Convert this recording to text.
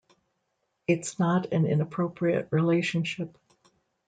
It's not an inappropriate relationship.